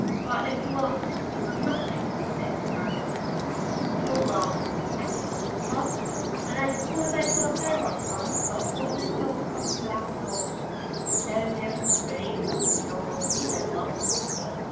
"But is love to go for nothing?" said Cradell. "Oh, love! I don't believe in love. I suppose I thought I loved once, but what did it come to after all? Now, there's Mr. Eames we all know he's in love."